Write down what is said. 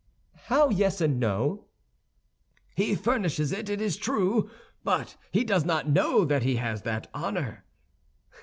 "How yes and no?" "He furnishes it, it is true, but he does not know that he has that honor."